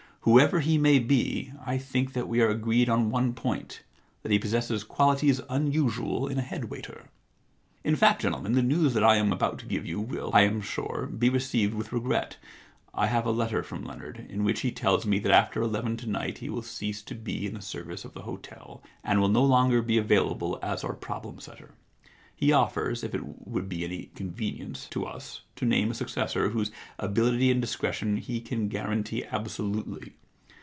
Whoever he may be, I think that we are agreed on one point — that he possesses qualities unusual in a head waiter. * In fact, gentlemen, the news that I am about to give you will, I am sure, be received with regret. I have a letter from Leonard in which he tells me that after eleven to night he will cease to be in the service of the hotel, and will no longer be available as our problem setter. He offers, if it would be any con venience, to us, to name a successor whose ability and discretion he can guarantee ab solutely.